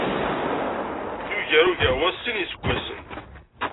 Yugar Ogawa s sin n yiseggasen.